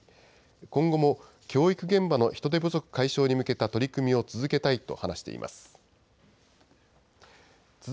今後も教育現場の人手不足解消に向けた取り組みを続けたいと話しています。